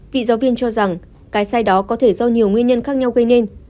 vị giáo viên cho rằng cái sai đó có thể do nhiều nguyên nhân khác nhau gây nên